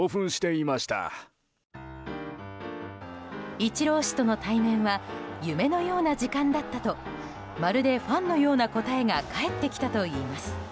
イチロー氏との対面は夢のような時間だったとまるでファンのような答えが返ってきたといいます。